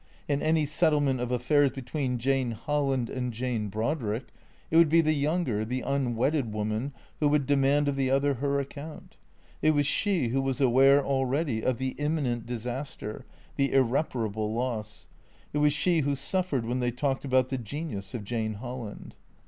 In any settlement of affairs between Jane Holland and Jane Brodrick it would be the younger, the unwedded woman who would demand of the other her account. It was she who was aware, already, of the imminent disaster, the irrep arable loss. It was she who suffered when they talked about the genius of Jane Holland.